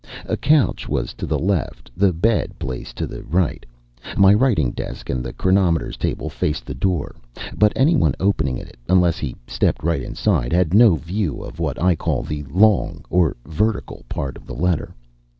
A couch was to the left, the bed place to the right; my writing desk and the chronometers' table faced the door. But anyone opening it, unless he stepped right inside, had no view of what I call the long (or vertical) part of the letter.